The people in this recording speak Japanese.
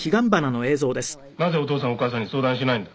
「なぜお父さんお母さんに相談しないんだ？」